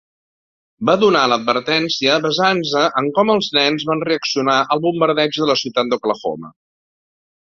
Va donar l'advertència basant-se en com els nens van reaccionar al bombardeig de la ciutat d'Oklahoma.